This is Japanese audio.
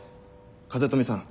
風富さん